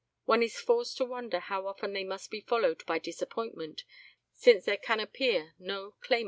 One is forced to wonder how often they must be followed by disappointment, since there can appear no claimant for them."